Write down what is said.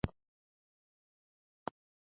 ماري کوري ولې د نوې ماده د تاثیر مطالعه وکړه؟